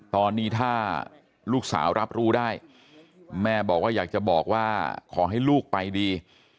ตอนนี้ถ้าลูกสาวรับรู้ได้แม่บอกว่าอยากจะบอกว่าขอให้ลูกไปดี